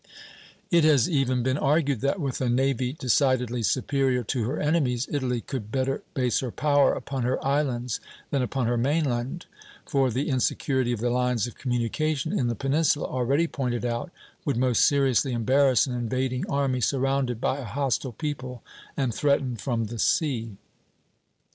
It has even been argued that, with a navy decidedly superior to her enemy's, Italy could better base her power upon her islands than upon her mainland; for the insecurity of the lines of communication in the peninsula, already pointed out, would most seriously embarrass an invading army surrounded by a hostile people and threatened from the sea.